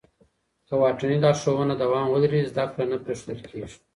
که واټني لارښوونه دوام ولري، زده کړه نه پرېښودل کېږي.